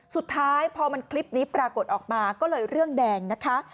สุดท้ายพอมันคลิปนี้ปรากฏออกมาก็เลยเรื่องแดงนะคะ